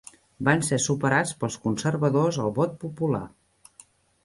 Van ser superats pels Conservadors al vot popular.